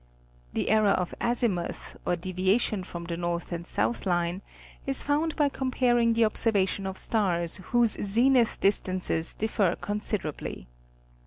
The error of azimuth, or devia tion from the north and south line, is found by comparing the observations of stars whose zenith distances differ considerably.